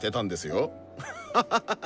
ハハハハ。